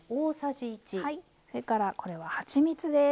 それからこれははちみつです。